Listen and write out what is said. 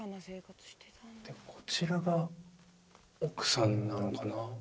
こちらが奥さんなのかな？